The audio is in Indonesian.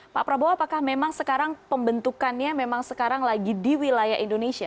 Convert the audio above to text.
pak prabowo apakah memang sekarang pembentukannya memang sekarang lagi di wilayah indonesia